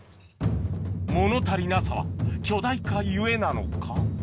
物足りなさは巨大化ゆえなのか？